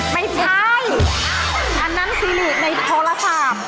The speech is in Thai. ไม่ใช่อันนั้นซิหรี่ในโทรศาบ